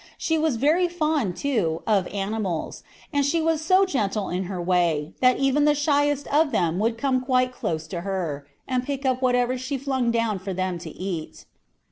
She was very fond, too, of animals, and she was so gentle in her way, that even the shyest of them would come quite close to her, and pick up whatever she flung down for them to eat.